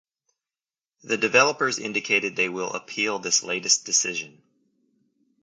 The developers indicated they will appeal this latest decision.